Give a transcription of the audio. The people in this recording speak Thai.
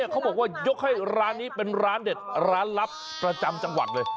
เขาบอกว่ายกให้ร้านนี้เป็นร้านเด็ดร้านลับประจำจังหวัดเลย